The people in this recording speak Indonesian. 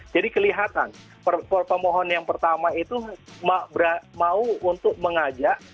jadi kelihatan pemohon yang pertama itu mau untuk mengajak